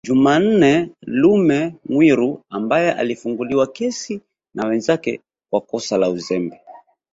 Jumanne Lume Mwiru ambaye alifunguliwa kesi na wenzake kwa kosa la uzembe